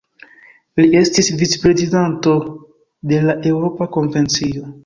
Li estis vicprezidanto de la Eŭropa Konvencio.